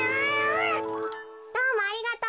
どうもありがとう。